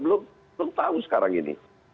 belum tahu sekarang ini